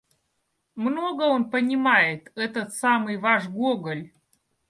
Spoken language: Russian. Много он понимает — этот самый ваш Гоголь!